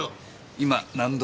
今何度目？